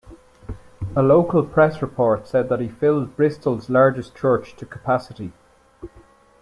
A local press report said that he filled Bristol's largest church to capacity.